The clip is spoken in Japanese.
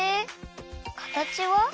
かたちは？